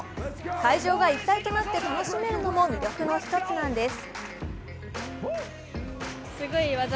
会場が一体となって楽しめるのも魅力の一つなんです。